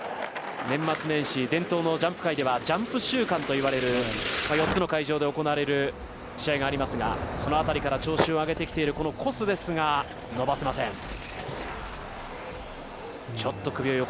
年末年始伝統のジャンプ界ではジャンプ週間といわれる４つの会場で行われる試合がありますがその辺りから調子を上げてきているコスですが伸ばせません。